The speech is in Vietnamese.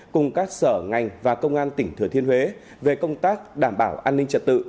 cùng các sở ngành và công an tỉnh thừa thiên huế về công tác đảm bảo an ninh trật tự